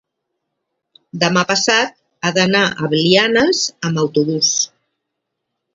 demà passat he d'anar a Belianes amb autobús.